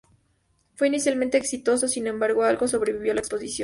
Fue inicialmente exitoso, sin embargo, algo sobrevivió a la exposición.